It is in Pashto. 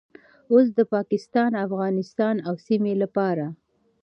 اوس د پاکستان، افغانستان او سیمې لپاره